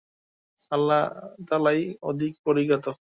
আল্লাহ তাআলাই অধিক পরিজ্ঞাত।